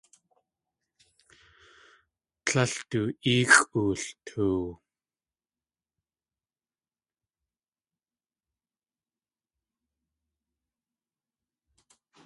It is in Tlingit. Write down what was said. Tlél du éexʼ ooltoow.